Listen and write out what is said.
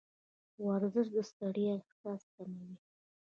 ورزش د ستړیا احساس کموي.